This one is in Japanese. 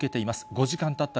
５時間たった